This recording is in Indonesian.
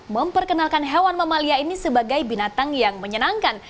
memperkenalkan hewan mamalia ini sebagai binatang yang menyenangkan